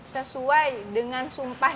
sesuai dengan sumpahnya